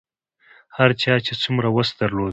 هر چا چې څومره وس درلود.